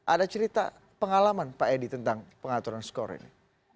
ada cerita pengalaman pak edi tentang pengaturan skor ini